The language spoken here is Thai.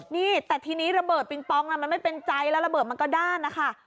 นี่แต่ทีนี้ระเบิดปิงปองมันไม่เป็นใจแล้วระเบิดมันก็ด้านนะคะ